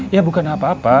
ya bukan apa apa